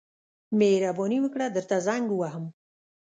مهرباني وکړه درته زنګ ووهم.